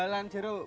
jualan jeruk boleh